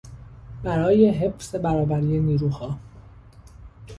برای حفظ برابری نیروها